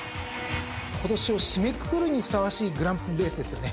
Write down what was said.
今年を締めくくるにふさわしいグランプリレースですよね。